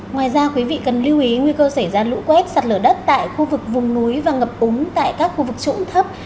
ngoài ra quý vị cần lưu ý nguy cơ xảy ra lũ quét sạt lở đất tại khu vực vùng núi và ngập úng tại các khu vực trũng thấp